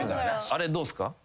あれどうっすか？